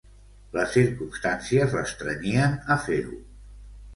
Les circumstàncies l'estrenyien a fer-ho.